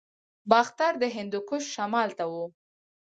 باختر د هندوکش شمال ته و